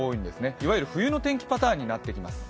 いわゆる冬の天気パターンになってきます。